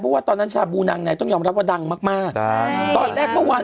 เพราะว่าตอนนั้นชาบูนางในต้องยอมรับว่าดังมากมากดังตอนแรกเมื่อวาน